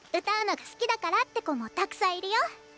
歌うのが好きだからって子もたくさんいるよ。